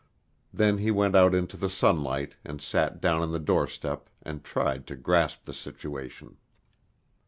Then he went out into the sunlight and sat down on the doorstep and tried to grasp the situation.